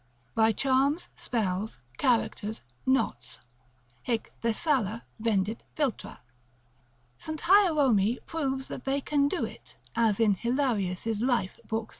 by charms, spells, characters, knots.—hic Thessala vendit Philtra. St. Hierome proves that they can do it (as in Hilarius' life, epist.